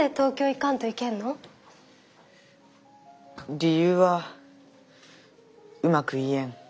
理由はうまく言えん。